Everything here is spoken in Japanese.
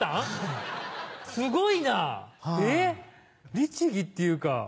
律義っていうか。